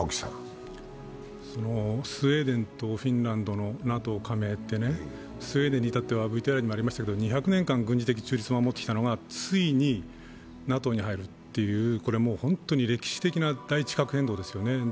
スウェーデンんとフィンランドのＮＡＴＯ加盟ってスウェーデンに至っては２００年間、軍事的中立を守っていたのがついにＮＡＴＯに入るという、本当に歴史的な大地殻変動ですよね。